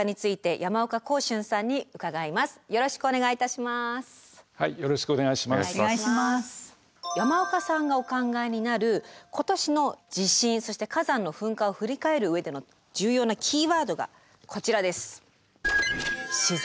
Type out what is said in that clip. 山岡さんがお考えになる今年の地震そして火山の噴火を振り返る上での重要なキーワードがこちらです。